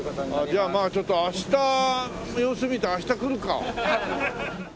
じゃあまあちょっと明日の様子見て明日来るか。